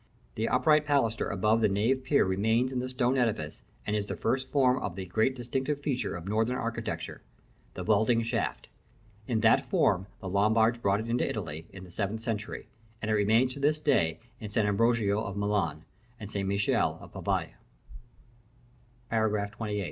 The upright pilaster above the nave pier remains in the stone edifice, and is the first form of the great distinctive feature of Northern architecture the vaulting shaft. In that form the Lombards brought it into Italy, in the seventh century, and it remains to this day in St. Ambrogio of Milan, and St. Michele of Pavia. § XXVIII.